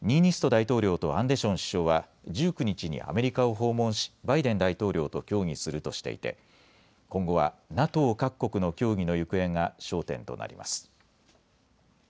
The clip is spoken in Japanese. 大統領とアンデション首相は１９日にアメリカを訪問しバイデン大統領と協議するとしていて今後はＮＡＴＯ各国の協議の行方が焦点となります。